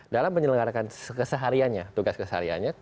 dalam menyelenggarkan sekesaharianya tugas sekesaharianya